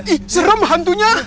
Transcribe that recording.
ih serem hantunya